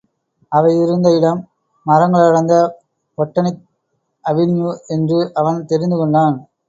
அவையிருந்த இடம் மரங்களடர்ந்த பொட்டனிக் அவினியூ என்று அவன் தெரிந்து கொண்டான்.